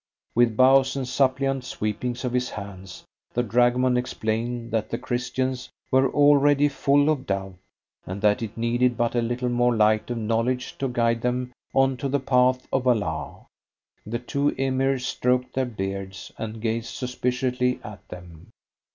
With bows and suppliant sweepings of his hands the dragoman explained that the Christians were already full of doubt, and that it needed but a little more light of knowledge to guide them on to the path of Allah. The two Emirs stroked their beards and gazed suspiciously at them.